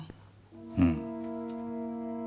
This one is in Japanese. うん。